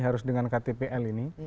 harus dengan ktpl ini